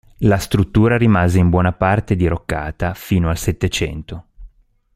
La struttura rimase in buona parte diroccata fino al Settecento.